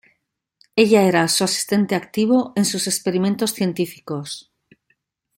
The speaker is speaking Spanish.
Ella era su asistente activo en sus experimentos científicos.